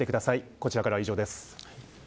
こちらからは以上です。